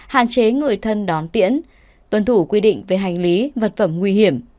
hạn chế người thân đón tiễn tuân thủ quy định về hành lý vật phẩm nguy hiểm